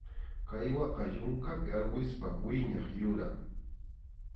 Caiguaqa yunkapi arwispa wiñaq yuram.